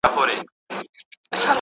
دا ږغ له هغه ښه دی!.